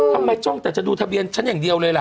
จ้องแต่จะดูทะเบียนฉันอย่างเดียวเลยล่ะ